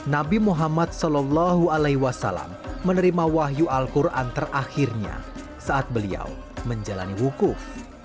nabi muhammad saw menerima wahyu al quran terakhirnya saat beliau menjalani wukuf